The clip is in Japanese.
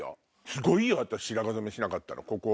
すごいよ私白髪染めしなかったらここ。